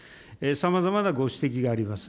さまざまなご指摘があります。